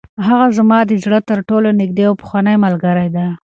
هغه زما د زړه تر ټولو نږدې او پخوانۍ ملګرې ده.